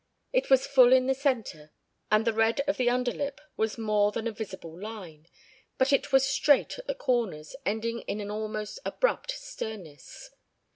It was full in the center and the red of the underlip was more than a visible line, but it was straight at the corners, ending in an almost abrupt sternness.